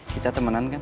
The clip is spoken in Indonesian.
kita temenan kan